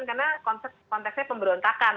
karena konteksnya pemberontakan